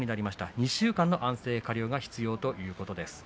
２週間の、安静加療が必要ということです。